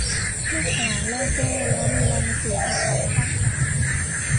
เมขลาล่อแก้ว แล้วมีรามสูรเอาขวานขว้างใส่